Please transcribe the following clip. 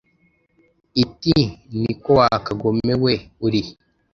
iti «niko wa kagome weurihe